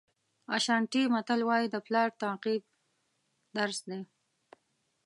اشانټي متل وایي د پلار تعقیب درس دی.